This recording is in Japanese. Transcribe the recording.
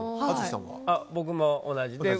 僕も同じです。